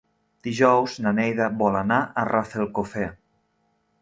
Dilluns na Neida vol anar a Rafelcofer.